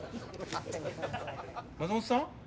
松本さん？